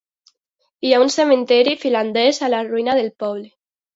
Hi ha un cementiri finlandès a la ruïna del poble.